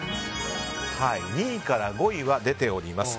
２位から５位は出ております。